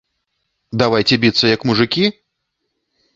Давайце біцца як мужыкі!?